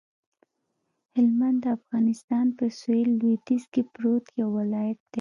هلمند د افغانستان په سویل لویدیځ کې پروت یو ولایت دی